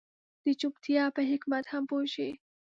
د چوپتيا په حکمت هم پوه شي.